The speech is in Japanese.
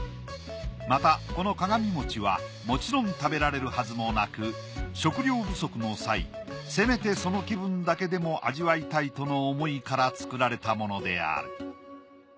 またこの鏡餅はもちろん食べられるはずもなく食料不足の際せめてその気分だけでも味わいたいとの思いから作られたものである。